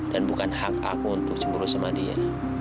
dan bukan hak aku untuk cemburu sama dia